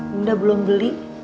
bunda belum beli